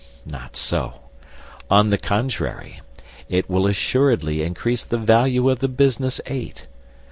Not so. On the contrary, it will assuredly increase the value of the business eight.